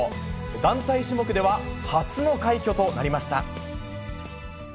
団体種目では初の快挙となりました。